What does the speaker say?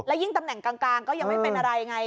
ยิ่งตำแหน่งกลางก็ยังไม่เป็นอะไรไง